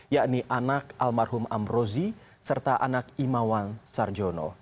yakni anak almarhum amrozi serta anak imawan sarjono